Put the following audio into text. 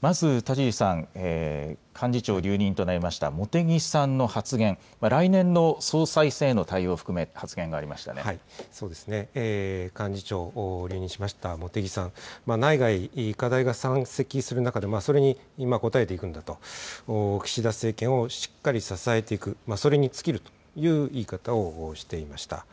まず田尻さん、幹事長留任となりました茂木さんの発言、来年の総裁選への対応を含めて発言がありそうですね、幹事長、留任しました茂木さん、内外、課題が山積する中で、それにこたえていくんだと、岸田政権をしっかり支えていく、それに尽きるという言い方をしていました。